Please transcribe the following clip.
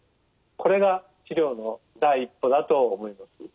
これが治療の第一歩だと思います。